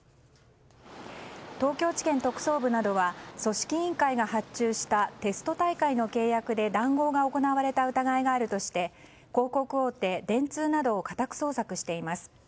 東京地検特捜部などは組織委員会が発注したテスト大会の契約で談合が行われた疑いがあるとして広告大手、電通などを家宅捜索しています。